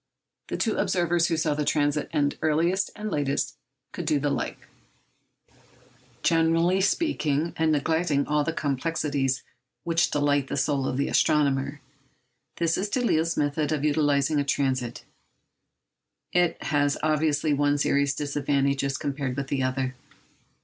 The two observers who saw the transit end earliest and latest could do the like. Speaking generally, and neglecting all the complexities which delight the soul of the astronomer, this is Delisle's method of utilising a transit. It has obviously one serious disadvantage as compared with the other.